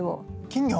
金魚？